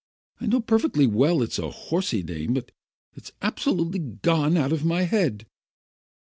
I know perfectly well it's a horsey name, but it has absolutely gone out of my head!"